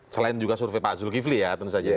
selain juga survei pak zulkifli ya